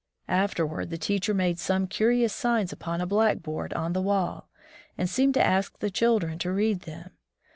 Afterward the teacher made some ctirious signs upon a blackboard on the wall, and seemed to ask the children to read them.